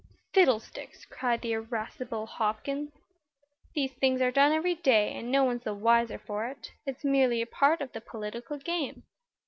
"Fiddlesticks!" cried the irascible Hopkins. "These things are done every day, and no one's the wiser for it. It's merely a part of the political game."